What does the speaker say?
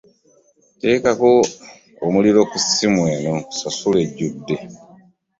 Teekako omuliro ku ssimu eno nkusasula ejjudde.